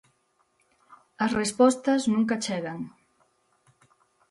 As respostas nunca chegan.